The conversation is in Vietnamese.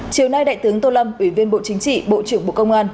chiều nay đại tướng tô lâm ủy viên bộ chính trị bộ trưởng bộ công an